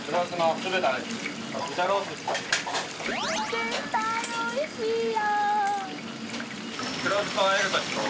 絶対おいしいよ！